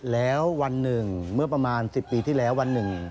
แล้ววันหนึ่งเมื่อประมาณ๑๐ปีที่แล้ววันหนึ่ง